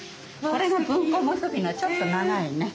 これが文庫結びのちょっと長いね。